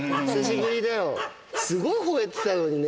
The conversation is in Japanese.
すごいほえてたのにね。